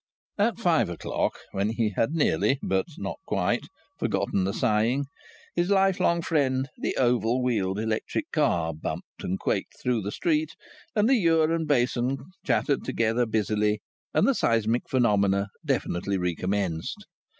At five o'clock, when he had nearly, but not quite, forgotten the sighing, his lifelong friend, the oval wheeled electric car, bumped and quaked through the street, and the ewer and basin chattered together busily, and the seismic phenomena definitely recommenced.